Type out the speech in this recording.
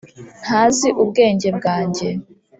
ntazi ubwenge bwanjye,